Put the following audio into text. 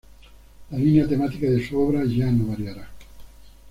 La línea temática de su obra ya no variará.